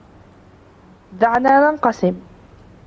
دعنا ننقسم.